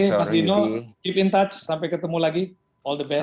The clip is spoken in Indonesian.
terima kasih pak dino keep in touch sampai ketemu lagi all the best